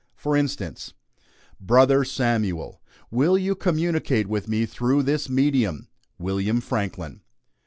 For instance: "BROTHER SAMUEL: Will you communicate with me through this medium? WILLIAM FRANKLIN."